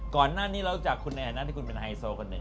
ก่อนหน้านี้เรารู้จักคุณแอนนะที่คุณเป็นไฮโซคนหนึ่ง